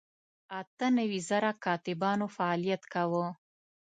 اته نوي زره کاتبانو فعالیت کاوه.